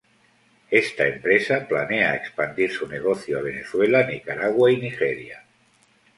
Esta empresa planea expandir su negocio a Venezuela, Nicaragua y Nigeria.